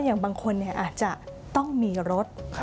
อย่างบางคนอาจจะต้องมีรถ